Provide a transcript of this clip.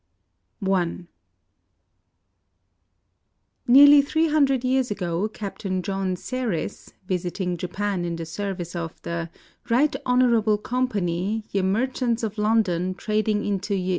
I Neaely three hundred years ago, Captain John Saris, visiting Japan in the service of the " Eight Honourable Companye, ye. mar chants of London trading into ye.